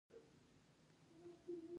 آزاد تجارت مهم دی ځکه چې زیربنا ښه کوي.